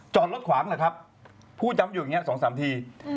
จอดรถขวางนะครับพูดย้ำอยู่อย่างนี้๒๓ที